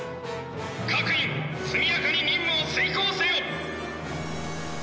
各員速やかに任務を遂行せよ！